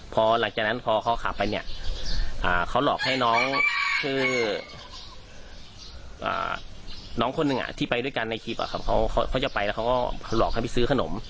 พอหลังจากนั้นพอเขาขับไปเนี่ยเขาหลอกให้น้องชื่อน้องคนหนึ่งที่ไปด้วยกันในคลิปเขาจะไปแล้วเขาก็หลอกให้ไปซื้อขนม